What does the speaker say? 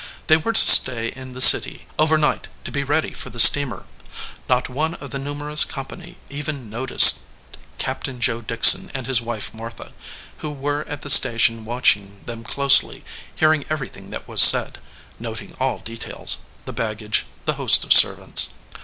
They were to stay in the city overnight to be ready for the steamer. Not one of the nu merous company even noticed Captain Joe Dickson 138 THE OUTSIDE OF THE HOUSE r* and his wife Martha, who were at the station watching them closely, hearing everything that was said, noting all details the baggage, the host of servants.